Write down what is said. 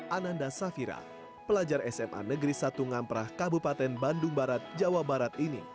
ananda safira pelajar sma negeri satu ngamprah kabupaten bandung barat jawa barat ini